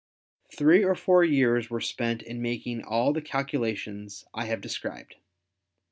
Three or four years were spent in making all the calculations I have described.